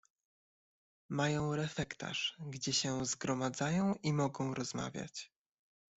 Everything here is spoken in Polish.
"Mają refektarz, gdzie się zgromadzają i mogą rozmawiać."